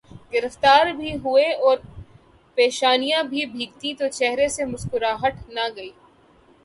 گرفتار بھی ہوئے اورپیشیاں بھی بھگتیں تو چہرے سے مسکراہٹ نہ گئی۔